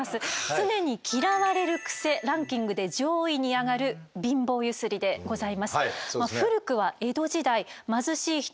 常に嫌われるクセランキングで上位に挙がる貧乏ゆすりでございます。